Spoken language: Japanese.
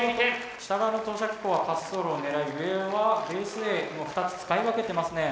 下側の投射機構は滑走路を狙い上はベースＡの２つ使い分けてますね。